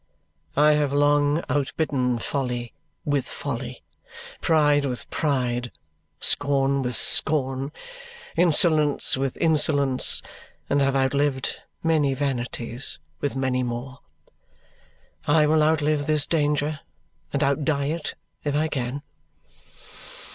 I have long outbidden folly with folly, pride with pride, scorn with scorn, insolence with insolence, and have outlived many vanities with many more. I will outlive this danger, and outdie it, if I can.